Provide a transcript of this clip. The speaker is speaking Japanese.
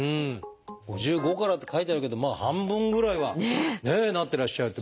５５からって書いてあるけどまあ半分ぐらいはねなってらっしゃるって。